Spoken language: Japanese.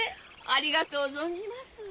ありがとう存じます。